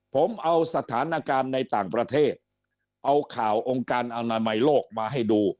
ผมเอาสถานการณ์ในต่างประเทศเอาข่าวองค์การอนามัยโลกมาให้ดู